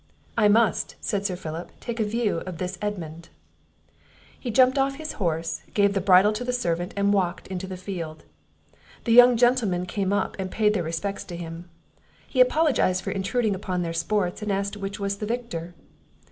"I must," said Sir Philip, "take a view of this Edmund." He jumped off his horse, gave the bridle to the servant, and walked into the field. The young gentlemen came up, and paid their respects to him; he apologized for intruding upon their sports, and asked which was the victor?